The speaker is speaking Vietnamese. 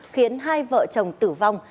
khiến hai vợ chồng tử vong